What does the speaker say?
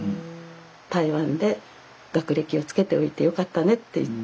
台湾で学歴をつけておいてよかったねって言って。